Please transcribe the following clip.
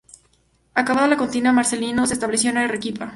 Acabada la contienda, Marcelino se estableció en Arequipa.